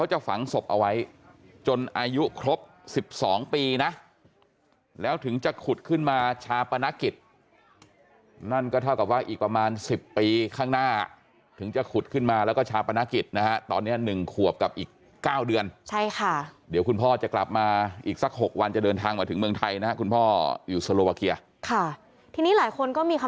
จะฝังศพเอาไว้จนอายุครบสิบสองปีนะแล้วถึงจะขุดขึ้นมาชาปนกิจนั่นก็เท่ากับว่าอีกประมาณสิบปีข้างหน้าถึงจะขุดขึ้นมาแล้วก็ชาปนกิจนะฮะตอนนี้๑ขวบกับอีก๙เดือนใช่ค่ะเดี๋ยวคุณพ่อจะกลับมาอีกสัก๖วันจะเดินทางมาถึงเมืองไทยนะฮะคุณพ่ออยู่สโลวาเกียค่ะทีนี้หลายคนก็มีค